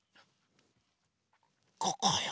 ここよ。